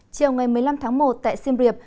chiều ngày một mươi năm tháng một tại siem reap